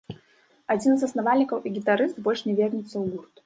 Адзін з заснавальнікаў і гітарыст больш не вернецца ў гурт.